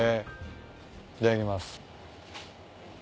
いただきます。